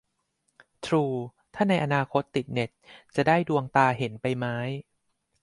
ทรู - ถ้าในอนาคตติดเน็ตจะได้ดวงตาเห็นใบไม้